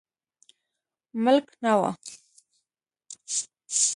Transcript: ملک نه و.